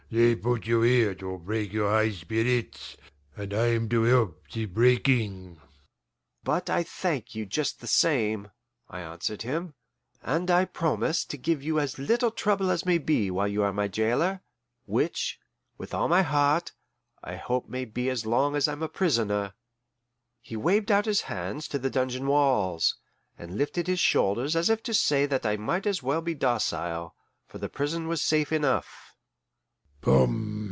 They've put you here to break your high spirits, and I'm to help the breaking." "But I thank you just the same," I answered him; "and I promise to give you as little trouble as may be while you are my jailer which, with all my heart, I hope may be as long as I'm a prisoner." He waved out his hands to the dungeon walls, and lifted his shoulders as if to say that I might as well be docile, for the prison was safe enough.